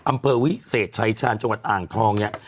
อำเภอวิเศษชายชาญจังหวัดอ่างทองเนี่ย